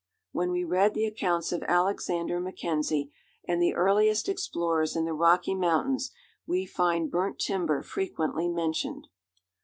When we read the accounts of Alexander Mackenzie, and the earliest explorers in the Rocky Mountains, we find burnt timber frequently mentioned.